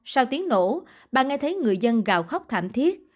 sau tiếng nổ bà nghe thấy người dân gào khóc thảm thiết